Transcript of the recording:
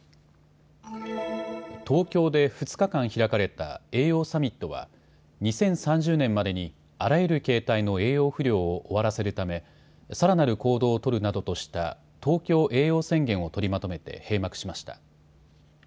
東京で２日間開かれた栄養サミットは２０３０年までにあらゆる形態の栄養不良を終わらせるためさらなる行動を取るなどとした東京栄養宣言を取りまとめて閉幕しました。